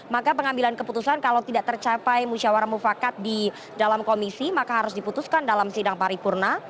maka pengambilan keputusan kalau tidak tercapai musyawarah mufakat di dalam komisi maka harus diputuskan dalam sidang paripurna